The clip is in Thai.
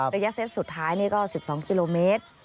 ระยะเซตสุดท้ายนี่ก็๑๒กิโลเมตร